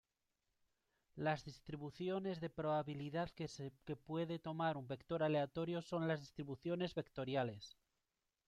Las distribuciones de probabilidad que puede tomar un vector aleatorio son las distribuciones vectoriales.